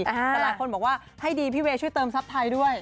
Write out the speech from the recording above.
แต่หลายคนบอกว่าให้ดีพี่เวชึ้นเติมซับไทด้วย